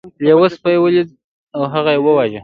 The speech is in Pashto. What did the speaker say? لیوه سپی ولید او هغه یې وواژه.